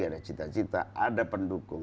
ada cita cita ada pendukung